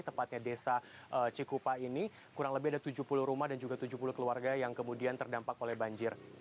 tepatnya desa cikupa ini kurang lebih ada tujuh puluh rumah dan juga tujuh puluh keluarga yang kemudian terdampak oleh banjir